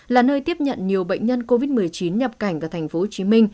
là nơi tiếp nhận nhiều bệnh nhân covid một mươi chín nhập cảnh vào tp hcm